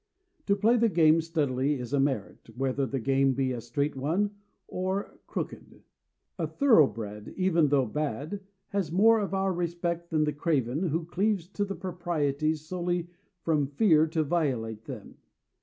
To play the game steadily is a merit, whether the game be a straight one or crooked. A thoroughbred, even though bad, has more of our respect than the craven who cleaves to the proprieties solely from fear to violate them.